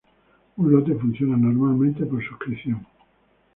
Un lote funciona normalmente por suscripción.